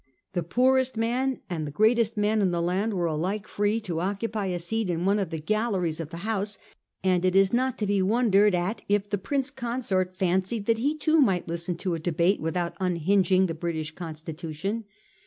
The poorest man and the greatest man in the land were alike free to occupy a seat in one of the galleries of the House, and it is not to be wondered at if the Prince Consort fancied that he too might listen to a debate without unhing ing the British Constitution.